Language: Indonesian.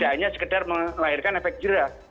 tidak hanya sekedar melahirkan efek jirah